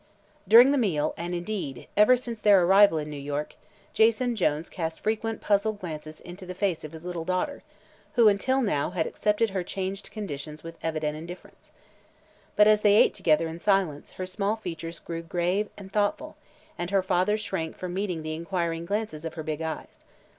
During the meal and, indeed, ever since their arrival in New York, Jason Jones cast frequent puzzled glances into the face of his little daughter, who until now had accepted her changed conditions with evident indifference. But as they ate together in silence her small features grew grave and thoughtful and her father shrank from meeting the inquiring glances of her big eyes.